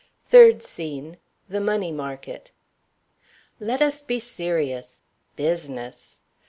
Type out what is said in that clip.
THIRD SCENE. The Money Market. Let us be serious. Business!